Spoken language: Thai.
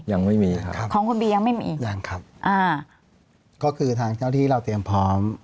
ยังไม่มีครับของคุณบียังไม่มีอีกยังครับอ่าก็คือทางเจ้าที่เราเตรียมพร้อม